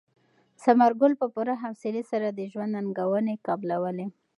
ثمر ګل په پوره حوصلې سره د ژوند ننګونې قبلولې.